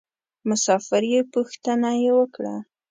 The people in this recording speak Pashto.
مسافر یې پوښتنه یې وکړه.